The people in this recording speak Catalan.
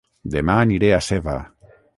Dema aniré a Seva